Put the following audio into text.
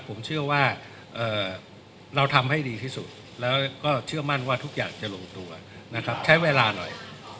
ผมเชื่อว่าเราทำให้ดีที่สุดแล้วก็เชื่อมั่นว่าทุกอย่างจะลงตัวนะครับใช้เวลาหน่อย